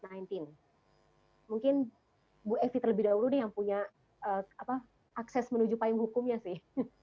mungkin bu evi terlebih dahulu nih yang punya akses menuju payung hukumnya sih